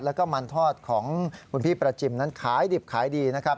แล้วก็มันทอดของคุณพี่ประจิมนั้นขายดิบขายดีนะครับ